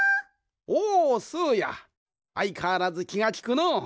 おおスーやあいかわらずきがきくのう。